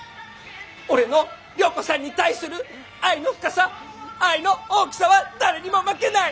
俺の良子さんに対する愛の深さ愛の大きさは誰にも負けない！